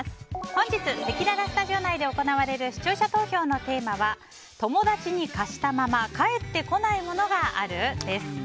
本日せきららスタジオ内で行われる視聴者投票のテーマは友達に貸したまま返ってこないものがある？です。